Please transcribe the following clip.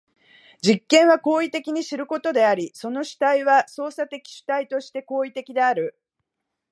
実験は行為的に知ることであり、その主体は操作的主体として行為的である。